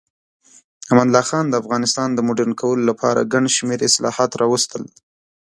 امان الله خان د افغانستان د مډرن کولو لپاره ګڼ شمیر اصلاحات راوستل.